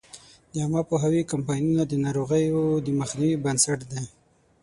د عامه پوهاوي کمپاینونه د ناروغیو د مخنیوي بنسټ دی.